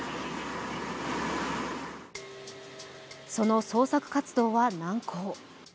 その捜索活動は難航。